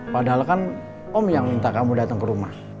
padahal kan om yang minta kamu datang ke rumah